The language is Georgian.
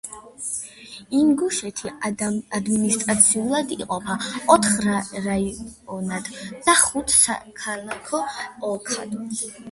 ინგუშეთი ადმინისტრაციულად იყოფა ოთხ რაიონად და ხუთ საქალაქო ოლქად.